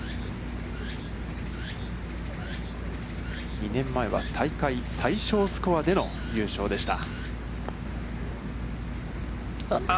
２年前は、大会最少スコアでの優勝でした。